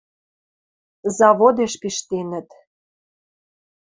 Заводеш пиштенӹт.